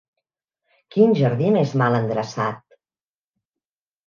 Quin jardí més mal endreçat.